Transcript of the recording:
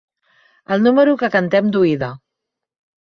El número que cantem d'oïda.